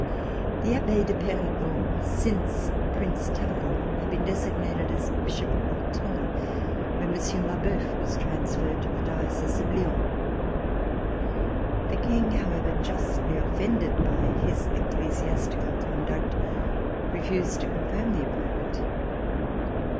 The Abbe de Perigord, since Prince Talley rand, had been designated as Bishop of Autun when Monsieur Marboeuf was transferred to the diocese of Lyon. The King, however, justly offended by his ecclesiastical conduct, refused to confirm the appoint ment.